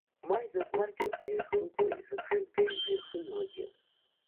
Ма изакә уарқьузеи ирхылҵуа, изакә шыкьбжьузеи ирхыҩуагьы.